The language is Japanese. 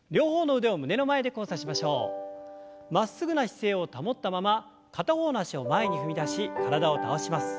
まっすぐな姿勢を保ったまま片方の脚を前に踏み出し体を倒します。